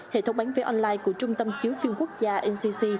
hệ thống bán vé online của trung tâm chiếu phim quốc gia ncc